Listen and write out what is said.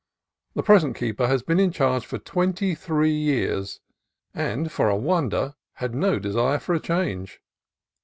The present keeper has been in charge for twenty three years, and, for a wonder, had no desire for a change.